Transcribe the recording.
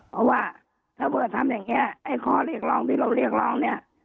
เพราะว่าถ้าเบิร์ดทำอย่างนี้ไอ้ข้อเรียกร้องที่เราเรียกร้องเนี่ย